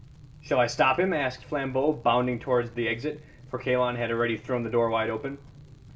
"Shall I stop him?" asked Flambeau, bounding towards the exit, for Kalon had already thrown the door wide open.